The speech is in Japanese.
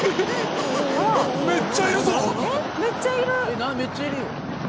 ・めっちゃいるぞ！